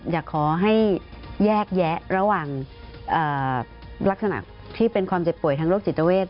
อยากให้แยกแยะระหว่างลักษณะที่เป็นความเจ็บป่วยทางโรคจิตเวท